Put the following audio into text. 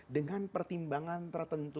dengan pertimbangan tertentu